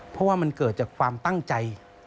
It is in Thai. เพราะว่ามันเกิดจากความตั้งใจ